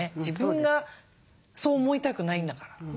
自分がそう思いたくないんだから。